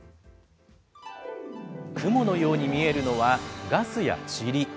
雲のように見えるのは、ガスやちり。